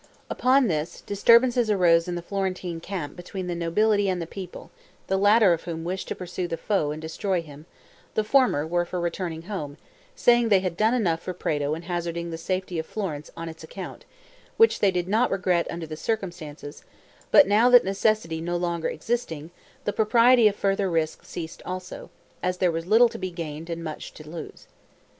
Upon this, disturbances arose in the Florentine camp between the nobility and the people, the latter of whom wished to pursue the foe and destroy him; the former were for returning home, saying they had done enough for Prato in hazarding the safety of Florence on its account, which they did not regret under the circumstances, but now, that necessity no longer existing, the propriety of further risk ceased also, as there was little to be gained and much to lose.